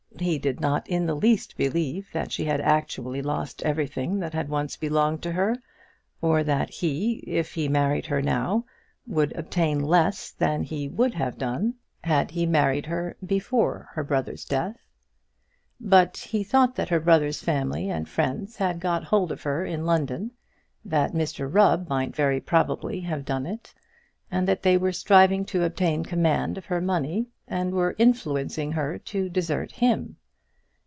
He did not in the least believe that she had actually lost everything that had once belonged to her, or that he, if he married her now, would obtain less than he would have done had he married her before her brother's death. But he thought that her brother's family and friends had got hold of her in London; that Mr Rubb might very probably have done it; and that they were striving to obtain command of her money, and were influencing her to desert him.